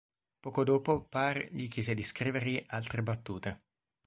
Poco dopo, Paar gli chiese di scrivergli altre battute.